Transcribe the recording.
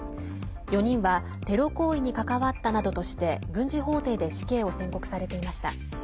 ４人はテロ行為に関わったなどとして軍事法廷で死刑を宣告されていました。